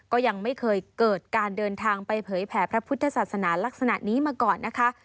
ก็ยังไม่เคยเกิดการเดินทางไปเผยแผ่พระพุทธศาสนาลักษณะนี้มาก่อนนะคะ